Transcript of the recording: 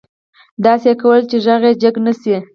داسې يې کول چې غږ يې جګ نه شي.